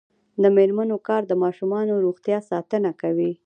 د میرمنو کار د ماشومانو روغتیا ساتنه کوي.